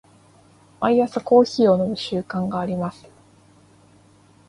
毎朝コーヒーを飲む習慣があります。